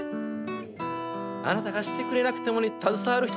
「『あなたがしてくれなくても』に携わる人